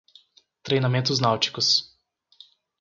Treinamentos náuticos